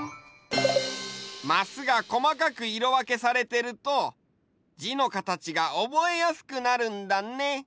マスがこまかくいろわけされてるとじのかたちがおぼえやすくなるんだね。